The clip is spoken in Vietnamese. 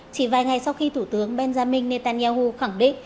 chỉ vài ngày sau khi thủ tướng benjamin netanyahu khẳng định